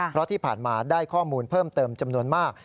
เพราะที่ผ่านมาได้ข้อมูลเพิ่มเติมจำนวนมาก